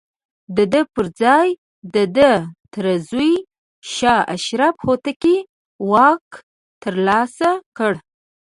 د ده پر ځاى د ده تره زوی شاه اشرف هوتکي واک ترلاسه کړ.